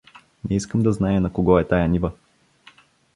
Не искам да зная на кого е тая нива.